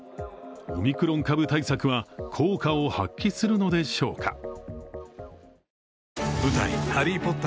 オミクロン株対策は効果を発揮するのでしょうか。